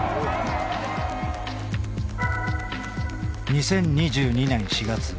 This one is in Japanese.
２０２２年４月。